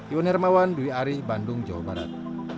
iwan hermawan dwi ari bandung jawa barat